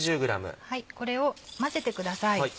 これを混ぜてください。